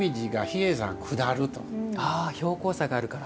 標高差があるから。